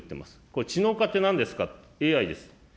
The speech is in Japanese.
これ、知能化ってなんですか、ＡＩです。